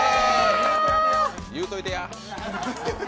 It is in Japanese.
言うといてや。